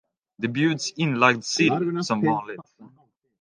Det bjuds inlagd sill, som vanligt.